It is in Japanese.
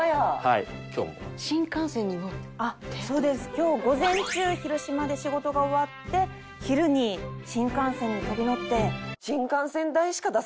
今日午前中広島で仕事が終わって昼に新幹線に飛び乗って。